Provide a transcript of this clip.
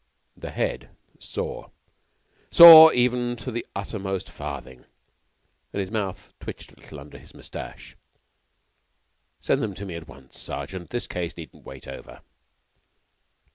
The Head saw saw even to the uttermost farthing and his mouth twitched a little under his mustache. "Send them to me at once, Sergeant. This case needn't wait over."